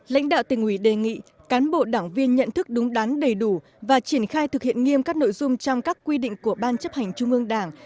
lãnh đạo tỉnh ủy đề nghị cán bộ đảng viên nhận thức đúng đắn đầy đủ và triển khai thực hiện nghiêm các nội dung trong các quy định của ban chấp hành trung ương đảng